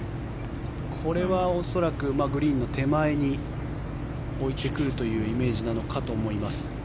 これは恐らくグリーンの手前に置いてくるというイメージなのかと思います。